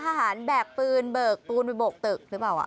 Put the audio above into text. ทหารแบกปืนเบิกปูนไปโบกตึกหรือเปล่า